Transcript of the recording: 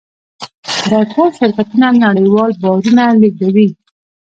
دا ټول شرکتونه نړیوال بارونه لېږدوي.